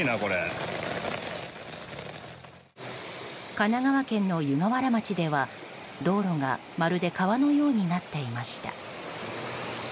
神奈川県の湯河原町では道路が、まるで川のようになっていました。